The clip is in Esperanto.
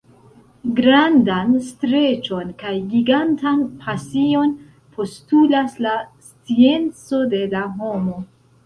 Grandan streĉon kaj gigantan pasion postulas la scienco de la homo.